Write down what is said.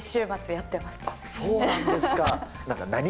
そうなんですか。